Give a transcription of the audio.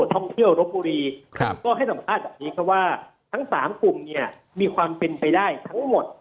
ท่องเที่ยวรบบุรีก็ให้สัมภาษณ์แบบนี้ครับว่าทั้งสามกลุ่มเนี่ยมีความเป็นไปได้ทั้งหมด